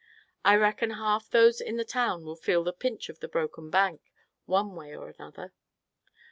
I reckon half those in the town will feel the pinch of the broken bank, one way or another."